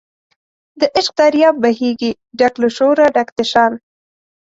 د عشق دریاب بهیږي ډک له شوره ډک د شان